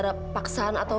nanti kalau itu